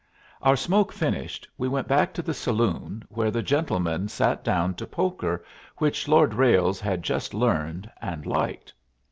Our smoke finished, we went back to the saloon, where the gentlemen sat down to poker, which Lord Ralles had just learned, and liked.